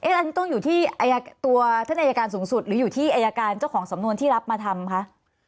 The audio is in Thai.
อันนี้ต้องอยู่ที่ตัวท่านอายการสูงสุดหรืออยู่ที่อายการเจ้าของสำนวนที่รับมาทำคะ